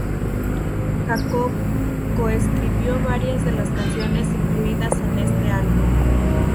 Jacob co-escribió varias de las canciones incluidas en ese álbum.